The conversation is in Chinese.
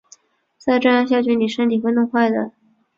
再这样下去妳身体会弄坏的